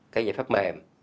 cái giải pháp mềm